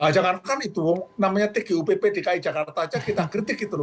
jangan kan itu namanya tgupp dki jakarta saja kita kritik gitu loh